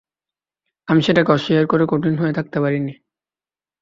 আমি সেটাকে অস্বীকার করে কঠিন হয়ে থাকতে পারি নে।